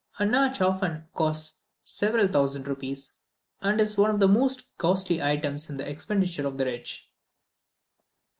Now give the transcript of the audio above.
A Natch often costs several thousand rupees, and is one of the most costly items in the expenditure of the rich.